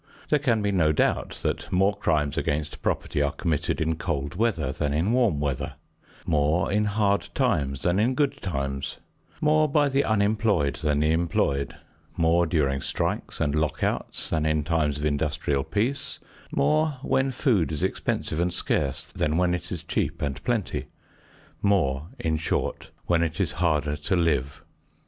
There can be no doubt that more crimes against property are committed in cold weather than in warm weather; more in hard times than in good times; more by the unemployed than the employed; more during strikes and lockouts than in times of industrial peace; more when food is expensive and scarce than when it is cheap and plenty; more, in short, when it is harder to live.